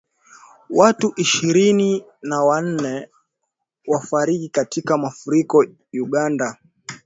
Watu ishirini na wanne wafariki katika mafuriko Uganda.